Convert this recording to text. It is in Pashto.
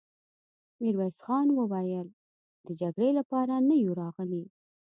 ميرويس خان وويل: د جګړې له پاره نه يو راغلي!